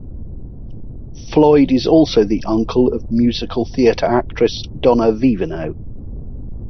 Floyd is also the uncle of musical theater actress Donna Vivino.